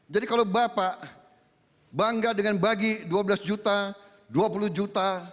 jadi kalau bapak bangga dengan bagi dua belas juta dua puluh juta